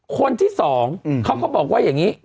คนที่๒เขาก็บอกว่าอย่างนี้